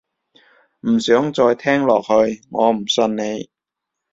唔想再聽落去，我唔信你